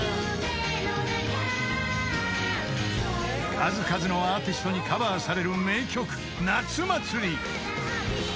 ［数々のアーティストにカバーされる名曲］